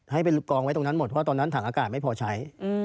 ให้ไปกองไว้ตรงนั้นหมดเพราะตอนนั้นถังอากาศไม่พอใช้